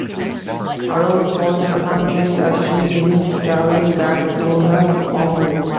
Arroway falls unconscious as she begins traveling back through a wormhole.